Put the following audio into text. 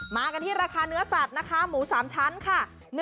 มากันที่ราคาเนื้อสัตว์นะคะหมู๓ชั้นค่ะ